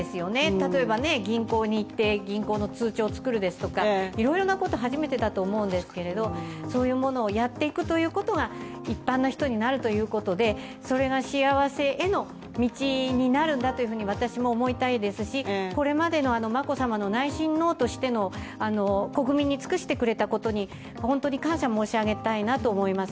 例えば銀行に行って通帳を作ることですとか、初めてだと思うんですけど、そういうものをやっていくということが一般の人になるということで、それが幸せへの道になるんだと私も思いたいですし、これまでの眞子さまの内親王としての国民に尽くしてくれたことに感謝申し上げたいなと思います。